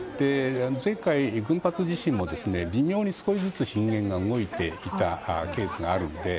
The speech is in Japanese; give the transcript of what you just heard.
前回、群発地震も微妙に少しずつ震源が動いていたケースがあるので。